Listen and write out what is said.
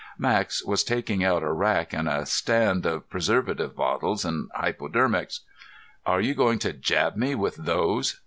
Max was taking out a rack and a stand of preservative bottles and hypodermics. "Are you going to jab me with those?"